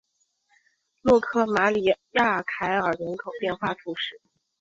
洛克马里亚凯尔人口变化图示